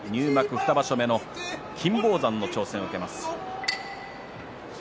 ２場所目の金峰山の挑戦を受けます。